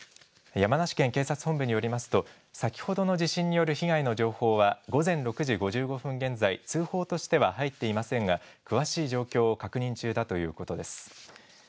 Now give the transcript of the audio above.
山梨県警察本部によりますと、先ほどの地震による被害の情報は、午前６時５５分現在、通報としては入っていませんが、詳しい状況を確認中だということです。